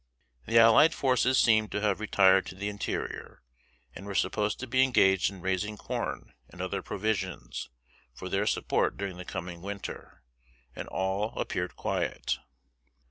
The allied forces seemed to have retired to the interior, and were supposed to be engaged in raising corn and other provisions, for their support during the coming winter, and all appeared quiet.